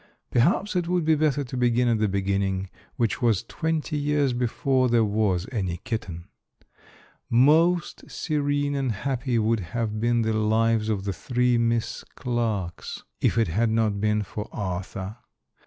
Perhaps it would be better to begin at the beginning which was twenty years before there was any kitten. Most serene and happy would have been the lives of the three Miss Clarkes, if it had not been for Arthur.